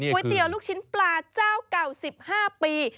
เตี๋ยวลูกชิ้นปลาเจ้าเก่า๑๕ปี